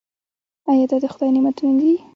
آیا دا د خدای نعمتونه نه دي؟